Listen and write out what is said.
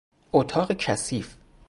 اتاق کثیف